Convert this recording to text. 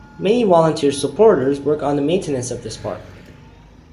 Many volunteer "supporters" work on the maintenance of this park.